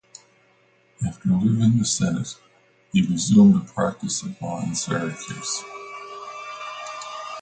After leaving the Senate, he resumed the practice of law in Syracuse.